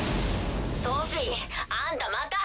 ソフィあんたまた！